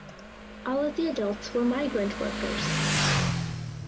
All of the adults were migrant workers.